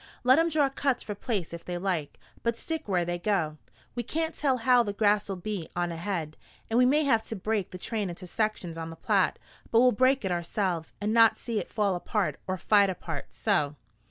Let 'em draw cuts for place if they like, but stick where they go. We can't tell how the grass will be on ahead, and we may have to break the train into sections on the Platte; but we'll break it ourselves, and not see it fall apart or fight apart. So?"